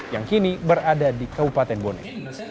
yang kini berada di kabupaten bone